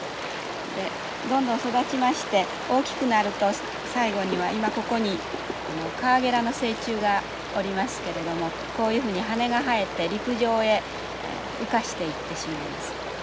でどんどん育ちまして大きくなると最後には今ここにカワゲラの成虫がおりますけれどもこういうふうに羽が生えて陸上へ羽化していってしまいます。